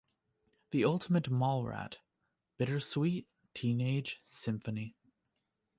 The ultimate mallrat, bittersweet teenage symphony.